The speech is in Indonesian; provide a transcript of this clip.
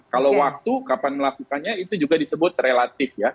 kalau waktu kapan melakukannya itu juga disebut relatif ya